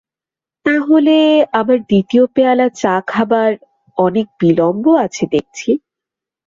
তা হলে আমার দ্বিতীয় পেয়ালা চা খাবার অনেক বিলম্ব আছে দেখছি।